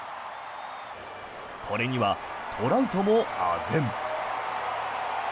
これにはトラウトもあぜん。